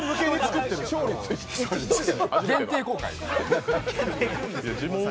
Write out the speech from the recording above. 限定公開。